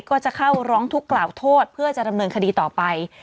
ก็จะเข้าร้องทุกข์กล่าวโทษเพื่อจะดำเนินคดีต่อไป